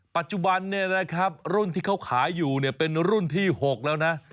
ปัจจุบันรุ่นที่เขาขายอยู่เป็นรุ่นที่๖แล้วนะ